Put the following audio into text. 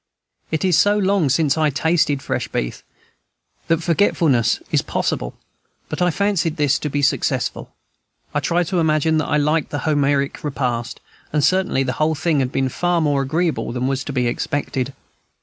It is so long since I tasted fresh beef that forgetfulness is possible; but I fancied this to be successful. I tried to imagine that I liked the Homeric repast, and certainly the whole thing has been far more agreeable than was to be expected.